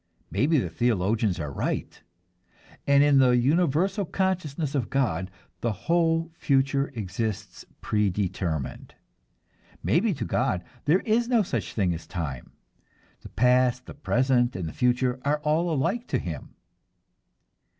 Maybe the theologians are right, and in the universal consciousness of God the whole future exists predetermined. Maybe to God there is no such thing as time; the past, the present, and the future are all alike to Him.